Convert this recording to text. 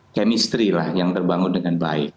kemistrilah yang terbangun dengan baik